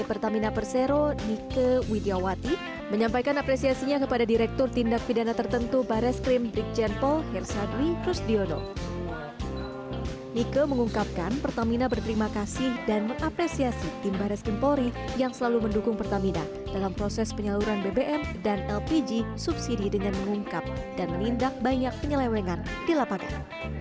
pertamina bersyukur dan mengapresiasi tim baris krim polri yang selalu mendukung pertamina dalam proses penyaluran bbm dan lpg subsidi dengan mengungkap dan menindak banyak penyelewengan di lapangan